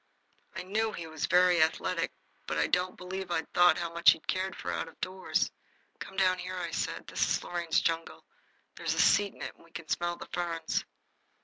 I knew he was very athletic, but I don't believe I'd thought how much he cared for out of doors. "Come down here," I said. "This is Lorraine's jungle. There's a seat in it, and we can smell the ferns."